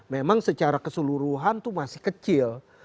memang secara keseluruhan itu masih kecil